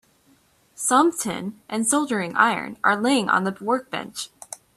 Some tin and a soldering iron are laying on the workbench.